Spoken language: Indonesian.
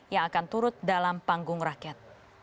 yang akan turut dalam panggung rakyat